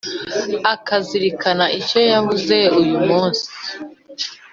akazirikana icyo yavuze uyu munsi,